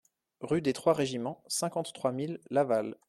Rue des Trois Régiments, cinquante-trois mille Laval